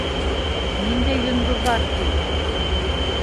Ниндәй йондоҙҙар, ти.